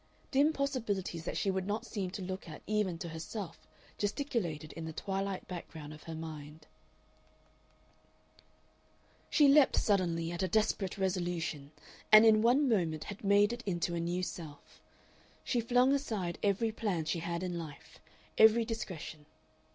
Dim possibilities that she would not seem to look at even to herself gesticulated in the twilight background of her mind. She leaped suddenly at a desperate resolution, and in one moment had made it into a new self. She flung aside every plan she had in life, every discretion.